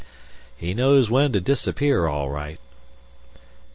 "He knows when to disappear all right."